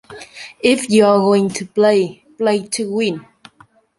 If you're going to play, play to win!